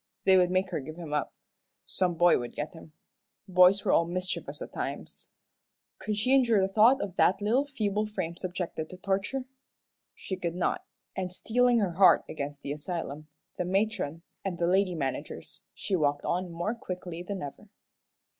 They would make her give him up. Some boy would get him. Boys were all mischievous at times. Could she endure the thought of that little feeble frame subjected to torture? She could not, and steeling her heart against the asylum, the matron, and the lady managers, she walked on more quickly than ever.